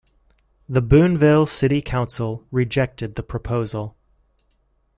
The Boonville City Council rejected the proposal.